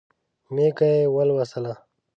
مېږه یې ولوسله.